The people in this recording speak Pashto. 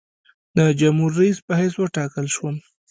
د جمهورریس په حیث وټاکل شوم.